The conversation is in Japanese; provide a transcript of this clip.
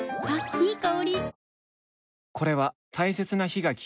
いい香り。